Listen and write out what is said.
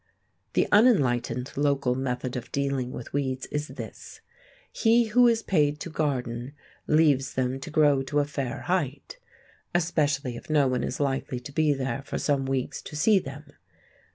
The unenlightened local method of dealing with weeds is this. He who is paid to garden leaves them to grow to a fair height—especially if no one is likely to be there for some weeks to see them.